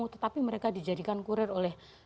tetapi mereka dijadikan kurir oleh